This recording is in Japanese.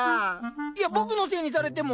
いや僕のせいにされても。